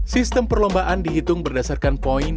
sistem perlombaan dihitung berdasarkan poin